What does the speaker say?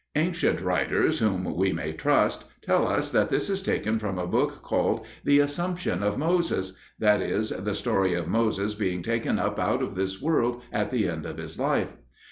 Ancient writers whom we may trust tell us that this is taken from a book called The Assumption of Moses (that is, the story of Moses being taken up out of this world at the end of his life).